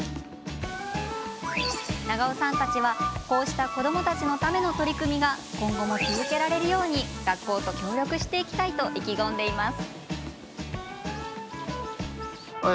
長尾さんたちは、こうした子どもたちのための取り組みが今後も続けられるように学校と協力していきたいと意気込んでいます。